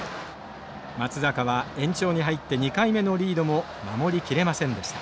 松坂は延長に入って２回目のリードも守りきれませんでした。